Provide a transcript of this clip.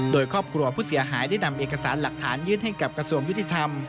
โดยครอบครัวผู้เสียหายได้นำเอกสารหลักฐานยื่นให้กับกระทรวงยุติธรรม